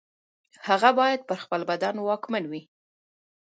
هغه باید پر خپل بدن واکمن وي.